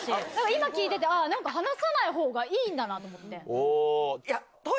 今聞いてて話さないほうがいいんだなと思って。